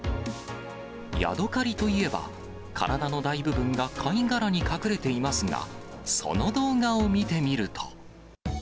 ヤドカリといえば、体の大部分が貝殻に隠れていますが、その動画を見てみると。